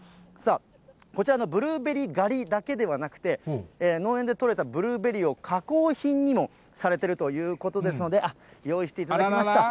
こちらのブルーベリー狩りだけではなくて、農園で取れたブルーベリーを加工品にもされているということですので、用意していただきました。